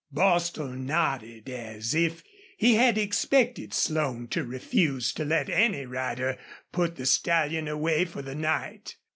Bostil nodded as if he had expected Slone to refuse to let any rider put the stallion away for the night.